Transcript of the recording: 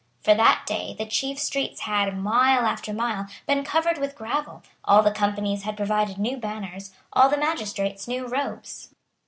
For that day the chiefs streets had, mile after mile, been covered with gravel; all the Companies had provided new banners; all the magistrates new robes.